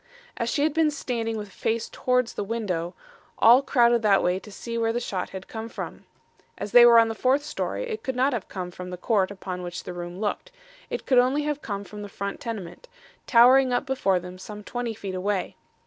"'As she had been standing with face towards the window, all crowded that way to see where the shot had come from. As they were on the fourth storey it could not have come from the court upon which the room looked. It could only have come from the front tenement, towering up before them some twenty feet away.